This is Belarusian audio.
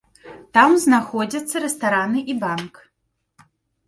Там знаходзяцца рэстараны і банк.